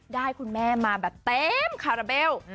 คุณแม่มาแบบเต็มคาราเบล